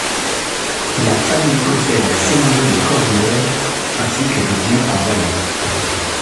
La famille possède la seigneurie de Corbières ainsi que des biens en Valais.